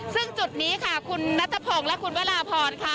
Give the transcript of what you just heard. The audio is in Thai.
ซึ่งจุดนี้ค่ะคุณนัทพงศ์และคุณวราพรค่ะ